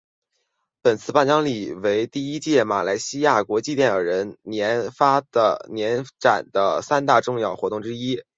本次颁奖礼为第一届马来西亚国际电影人年展的三大重点活动之一。